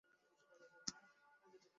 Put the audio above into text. ভবনটির স্থপতি ছিলেন টম রাইট।